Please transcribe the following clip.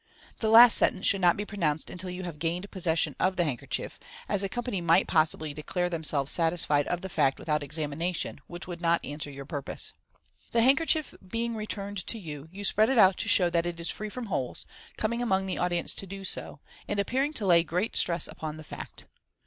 (The last sentence should not be pronounced until you have gained possession of the handkerchief, as the company might possibly declare them selves satisfied of the fact without examination, which would not answer your purpose.) The handkerchief being returned to you, you spread it out to show that it is free from holes, coming among the audience to do so, and appearing to lay great stress upon the fact.